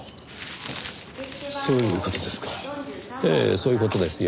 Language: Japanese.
そういう事ですか。